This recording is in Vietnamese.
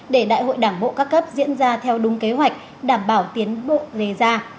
để đại hội đảng bộ ca cấp diễn ra theo đúng kế hoạch đảm bảo tiến bộ lề ra